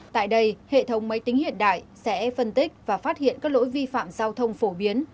tại đây hệ thống máy tính hiện đại sẽ phân tích và phát hiện các lỗi vi phạm giao thông phổ biến